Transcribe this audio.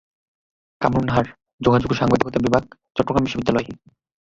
কামরুন নাহারযোগাযোগ ও সাংবাদিকতা বিভাগচট্টগ্রাম বিশ্ববিদ্যালয়।